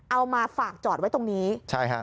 เอามาฝากจอดไว้ตรงนี้ใช่ฮะ